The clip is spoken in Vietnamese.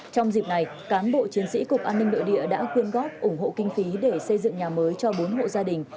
trong dịp này cán bộ chiến sĩ cục an ninh nội địa đã quyên góp ủng hộ kinh phí để xây dựng nhà mới cho bốn hộ gia đình